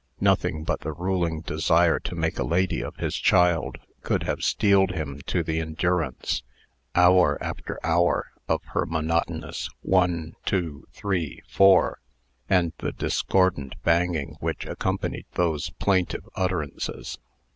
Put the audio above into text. Nothing but the ruling desire to make a lady of his child, could have steeled him to the endurance, hour after hour, of her monotonous "One two three four," and the discordant banging which accompanied those plaintive utterances.